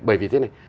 bởi vì thế này